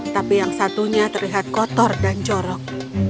tapi yang satunya terlihat kotor dan jorok